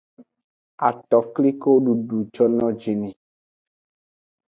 Atokliko dudu jono ji ni.